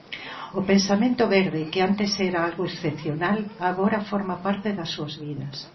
O pensamento verde, que antes era algo excepcional, agora forma parte das súas vidas.